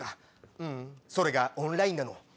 ううんそれがオンラインなの。